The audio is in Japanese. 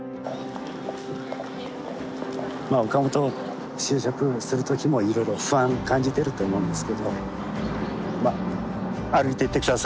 まあ岡本就職する時もいろいろ不安感じてると思うんですけどまあ歩いていって下さい。